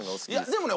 でもね